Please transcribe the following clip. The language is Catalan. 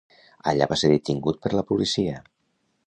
Allà va ser detingut per la policia.